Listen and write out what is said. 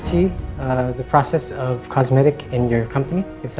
saya ingin lihat proses kosmetik di perusahaan anda